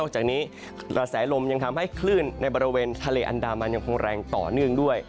จากนี้กระแสลมยังทำให้คลื่นในบริเวณทะเลอันดามันยังคงแรงต่อเนื่องด้วย